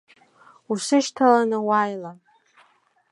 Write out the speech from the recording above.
Усышьҭаланы уааила!